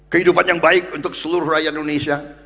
kehidupan yang baik untuk seluruh rakyat indonesia